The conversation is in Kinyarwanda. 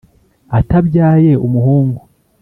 atabyaye umuhungu.